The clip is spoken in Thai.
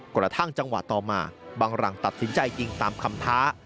กระทั่งจังหวะต่อมาบังหลังตัดสินใจยิงตามคำท้า